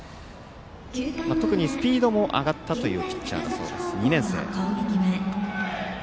特にスピードも上がったというピッチャー２年生。